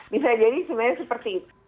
bisa jadi sebenarnya seperti itu